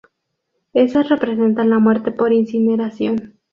Estas representan la muerte por incineración.